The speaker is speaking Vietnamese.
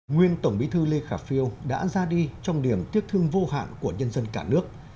nguyên tổng bí thư lê khả phiêu đã ra đi trong điểm tiếc thương vô hạn của nhân dân cả nước